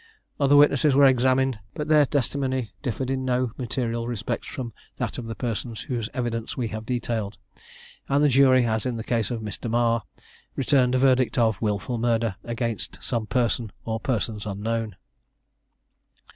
Other witnesses were examined, but their testimony differed in no material respects from that of the persons whose evidence we have detailed; and the jury, as in the case of Mr. Marr, returned a verdict of "Wilful Murder against some person or persons unknown."